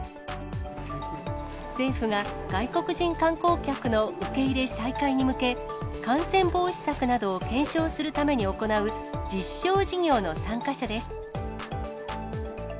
政府が、外国人観光客の受け入れ再開に向け、感染防止策などを検証するために行う実証事業の参加者です。